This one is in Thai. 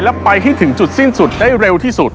แล้วไปให้ถึงจุดสิ้นสุดได้เร็วที่สุด